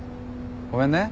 ごめんね。